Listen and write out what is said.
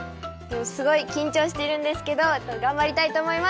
すごい緊張しているんですけど頑張りたいと思います！